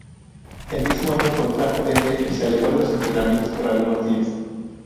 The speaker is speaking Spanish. El mismo año, contrajo dengue y se alejó de los entrenamientos por algunos días.